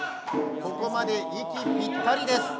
ここまで息ぴったりです。